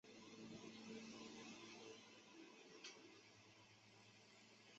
皮洛士还以仁慈着称。